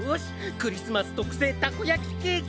クリスマス特製たこ焼きケーキ！